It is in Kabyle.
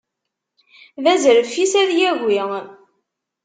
D azref-is ad yagi.